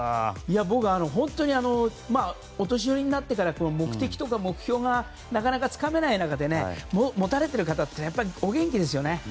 本当にお年寄りになってから目的とか目標がなかなかつかめない中でそれを持たれている方はお元気ですよね。